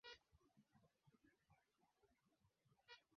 Inaifanya kuwa ni eneo maalumu la kihistoria na utamaduni wa dunia